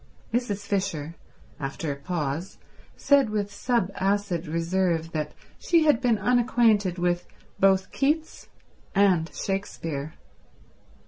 Mrs. Fisher, after a pause, said with sub acid reserve that she had been unacquainted with both Keats and Shakespeare.